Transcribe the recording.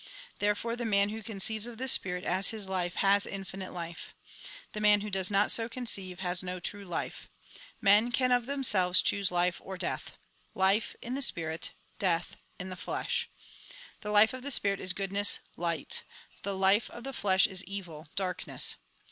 Therefore the man who conceives of this Spirit as his hfe, has infinite life. The man who does not so conceive, has no true life. Men can of themselves choose life or death. Life, — in the Spirit ; death, — in the flesh. The life of the Spirit is goodness, Ught. The life of the flesh is evil, darkness.